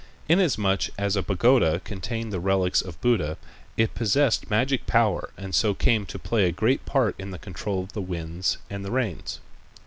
Inasmuch as a pagoda contained the relics of Buddha, it possessed magic power and so came to play a great part in the control of the winds and the rains.